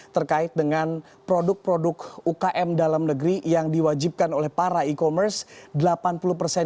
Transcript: terkait dengan produk produk ukm dalam negeri yang diwajibkan oleh para e commerce